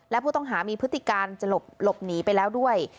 และผู้ต้องหามีพฤติการจะหลบหนีไปแล้วด้วย